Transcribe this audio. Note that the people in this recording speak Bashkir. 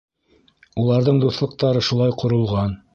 Уларҙың дуҫлыҡтары шулай ҡоролған.